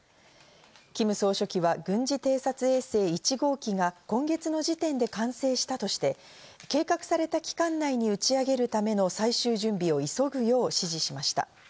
キム総書記は軍事偵察衛星１号機が今月の時点で完成したとして、計画された期間内に打ち上げるための最終準備を急ぐよう指示しました。